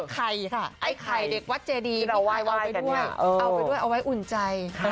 ไข่ค่ะไข่เด็กวัดเจดีพี่หายเอาไปด้วยเอาไว้อุ่นใจ